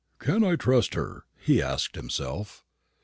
"Can I trust her?" he asked himself.